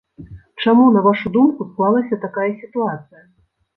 Чаму, на вашу думку, склалася такая сітуацыя?